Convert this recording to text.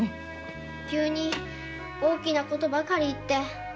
急に大きなことばかり言って。